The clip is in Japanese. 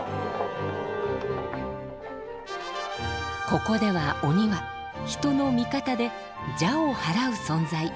ここでは鬼は人の味方で邪をはらう存在。